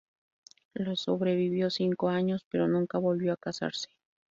Le sobrevivió cinco años, pero nunca volvió a casarse.